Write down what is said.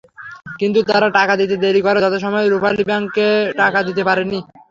কিন্তু তারা টাকা দিতে দেরি করায় যথাসময়ে রূপালী ব্যাংককে টাকা দিতে পারিনি।